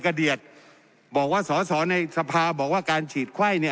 กระเดียดบอกว่าสสในสภาพบอกว่าการฉีดไข้เนี้ย